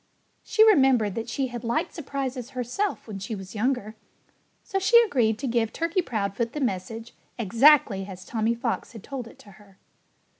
She remembered that she had liked surprises herself when she was younger. So she agreed to give Turkey Proudfoot the message exactly as Tommy Fox had told it to her.